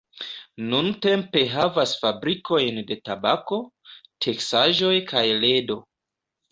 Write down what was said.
Nuntempe havas fabrikojn de tabako, teksaĵoj kaj ledo.